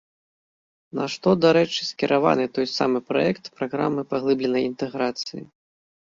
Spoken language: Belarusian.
На што, дарэчы, скіраваны той самы праект праграмы паглыбленай інтэграцыі.